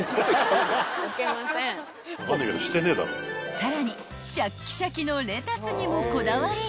［さらにシャッキシャキのレタスにもこだわりが］